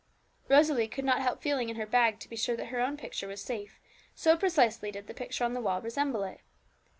Rosalie could not help feeling in her bag to be sure that her own picture was safe, so precisely did the picture on the wall resemble it.